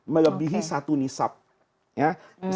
melebihi satu nisab